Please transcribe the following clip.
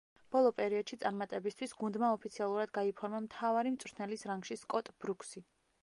ბოლო პერიოდში წარმატებისთვის, გუნდმა ოფიციალურად გაიფორმა მთავარი მწვრთნელის რანგში სკოტ ბრუქსი.